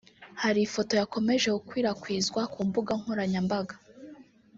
Hari ifoto yakomeje gukwirakwizwa ku mbuga nkoranyambaga